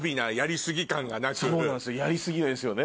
そうなんですやり過ぎないんですよね。